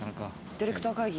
ディレクター会議。